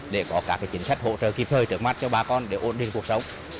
để có các chính sách hỗ trợ kịp thời trước mắt cho bà con để ổn định cuộc sống